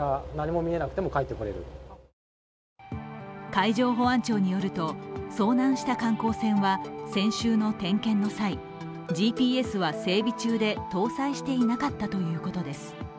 海上保安庁によると遭難した観光船は先週の点検の際ＧＰＳは整備中で搭載していなかったということです。